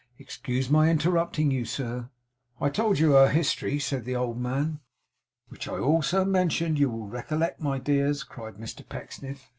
'Excuse my interrupting you, sir.' 'I told you her history?' said the old man. 'Which I also mentioned, you will recollect, my dears,' cried Mr Pecksniff.